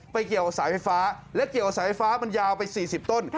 เกี่ยวกับสายไฟฟ้าและเกี่ยวกับสายฟ้ามันยาวไป๔๐ต้น